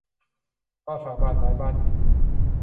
บ้านฟาง บ้านไม้ บ้านอิฐ